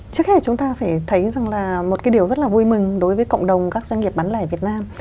trước hết chúng ta phải thấy rằng là một điều rất vui mừng đối với cộng đồng các doanh nghiệp bán lẻ việt nam